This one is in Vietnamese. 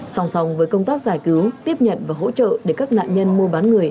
sòng sòng với công tác giải cứu tiếp nhận và hỗ trợ để các nạn nhân mua bán người